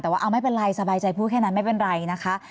แต่ว่าเอาไม่เป็นไรสบายใจพูดแค่นั้นไม่เป็นไรนะคะ